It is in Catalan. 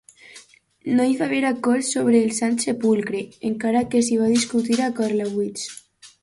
No hi va haver acord sobre el Sant Sepulcre, encara que s'hi va discutir a Karlowitz.